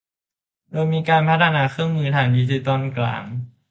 โดยมีการพัฒนาเครื่องมือทางดิจิทัลกลาง